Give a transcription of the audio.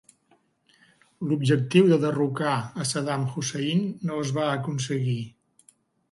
L'objectiu de derrocar a Saddam Hussein no es va aconseguir.